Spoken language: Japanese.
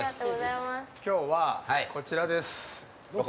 今日は、こちらです。